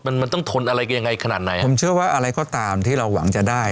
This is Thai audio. มันมันต้องทนอะไรยังไงขนาดไหนผมเชื่อว่าอะไรก็ตามที่เราหวังจะได้